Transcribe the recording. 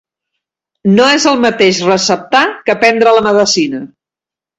No és el mateix receptar que prendre la medicina.